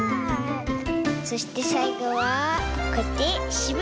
そしてさいごはこうやってしまう！